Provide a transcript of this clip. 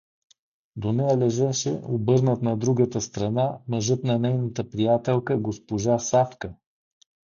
До нея лежеше, обърнат на другата страна, мъжът на нейната приятелка госпожа Савка!